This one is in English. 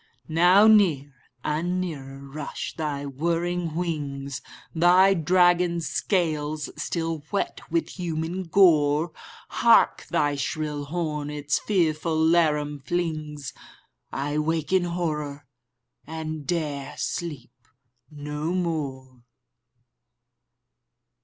Now near and nearer rush thy whirring wings, Thy dragon scales still wet with human gore. Hark, thy shrill horn its fearful laram flings! —I wake in horror, and 'dare sleep no more!